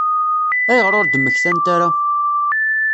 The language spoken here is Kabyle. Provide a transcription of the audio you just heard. Ayɣer ur d-mmektant ara?